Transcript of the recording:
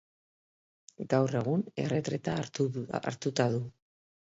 Gaur egun erretreta hartuta du.